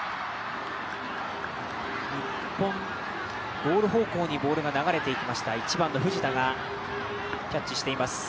ゴール方向にボールが流れていきました、藤田がキャッチしています